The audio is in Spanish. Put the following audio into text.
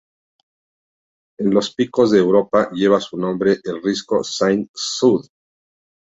En los Picos de Europa, lleva su nombre el Risco Saint Saud.